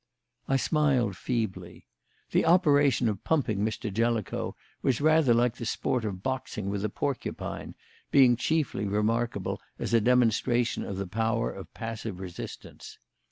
I smiled feebly. The operation of pumping Mr. Jellicoe was rather like the sport of boxing with a porcupine, being chiefly remarkable as a demonstration of the power of passive resistance.